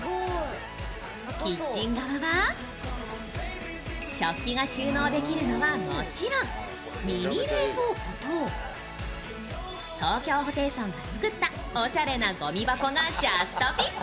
キッチン側は、食器が収納できるのはもちろん、ミニ冷蔵庫と東京ホテイソンが作った、おしゃれなごみ箱がジャストフィット。